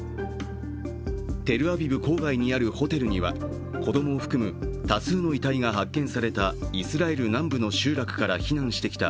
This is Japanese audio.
テルアビブ郊外にあるホテルには子供を含む多数の遺体が発見されたイスラエル南部の集落から避難してきた